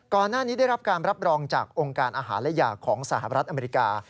ได้รับการรับรองจากองค์การอาหารและยาของสหรัฐอเมริกา